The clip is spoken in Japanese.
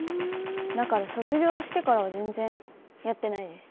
だから、卒業してからは全然やってないです。